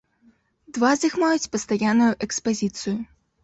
Два з іх маюць пастаянную экспазіцыю.